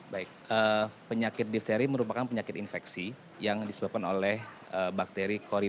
baik penyakit difteri merupakan penyakit infeksi yang disebabkan oleh bakteri koridor